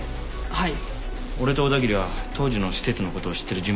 はい。